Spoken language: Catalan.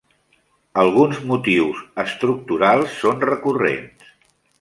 Alguns motius estructurals són recurrents.